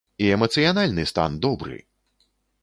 І эмацыянальны стан добры!